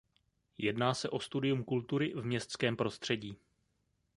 Jedná se o studium kultury v městském prostředí.